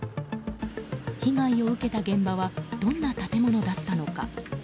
被害を受けた現場はどんな建物だったのか。